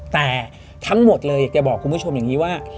แต่ทั้งหมดเลยอยากจะบอกคุณผู้ชมอย่างนี้ว่า